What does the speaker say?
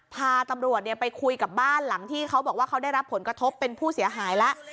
พาตำรวจไปคุยกับบ้านหลังที่เขาบอกว่าเขาได้รับผลกระทบเป็นผู้เสียหายแล้ว